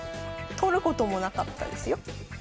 取ることもなかったですよ。